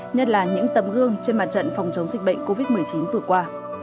nhất là những tấm gương trên mặt trận phòng chống dịch bệnh covid một mươi chín vừa qua